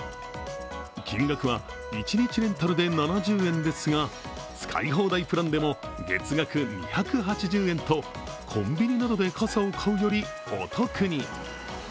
金額は１日レンタルで７０円ですが使い放題プランでも月額２８０円とコンビニなどで傘を買うよりお得に。